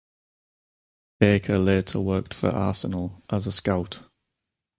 Baker later worked for Arsenal as a scout.